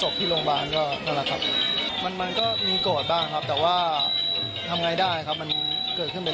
ก็ไม่รู้ว่าจะเรียกร้องอะไรจากเขา